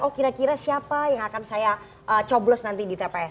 oh kira kira siapa yang akan saya coblos nanti di tps